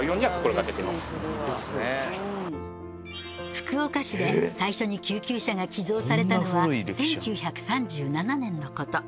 福岡市で最初に救急車が寄贈されたのは１９３７年のこと。